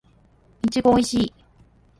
いちごおいしい